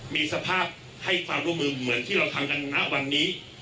มีสภาพให้ความร่วมมือเหมือนที่ทำกัน